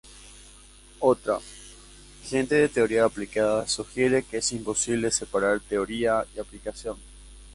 Otra "gente de teoría aplicada" sugiere que es imposible separar teoría y aplicación.